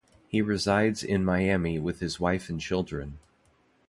He resides in Miami with his wife and children.